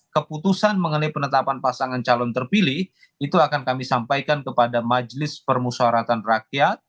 keputusan mengenai penetapan pasangan calon terpilih itu akan kami sampaikan kepada majelis permusawaratan rakyat